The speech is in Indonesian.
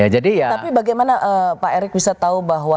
tapi bagaimana pak erick bisa tahu bahwa